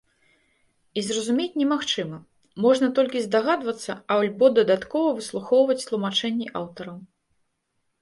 І зразумець немагчыма, можна толькі здагадвацца альбо дадаткова выслухоўваць тлумачэнні аўтараў.